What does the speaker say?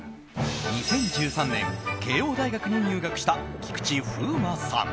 ２０１３年慶應大学に入学した菊池風磨さん。